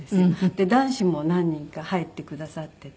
で男子も何人か入ってくださっていて。